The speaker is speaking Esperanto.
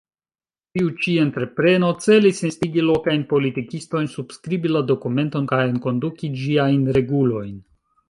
Tiu ĉi entrepreno celis instigi lokajn politikistojn subskribi la dokumenton kaj enkonduki ĝiajn regulojn.